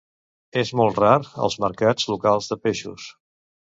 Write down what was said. És molt rar als mercats locals de peixos.